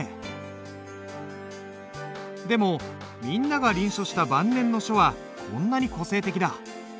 でもみんなが臨書した晩年の書はこんなに個性的だ。